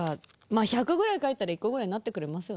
まあ１００ぐらい書いたら１個ぐらいなってくれますよね。